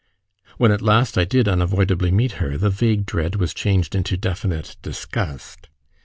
When at last I did unavoidably meet her, the vague dread was changed into definite disgust.